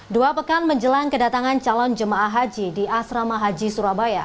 dua pekan menjelang kedatangan calon jemaah haji di asrama haji surabaya